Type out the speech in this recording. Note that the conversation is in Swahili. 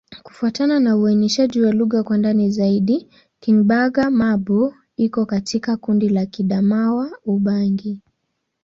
Kufuatana na uainishaji wa lugha kwa ndani zaidi, Kingbaka-Ma'bo iko katika kundi la Kiadamawa-Ubangi.